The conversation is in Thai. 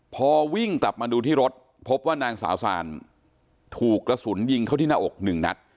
พอวิ่งกลับมาดูที่รถพบว่านางสาวซานถูกกระสุนยิงเข้าที่หน้าอกหนึ่งนัด